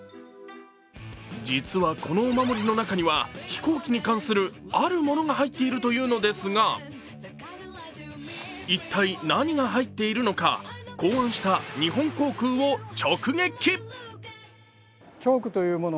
実はこのお守りの中には飛行機に関するあるものが入っているというのですが一体、何が入っているのか、考案した日本航空を直撃。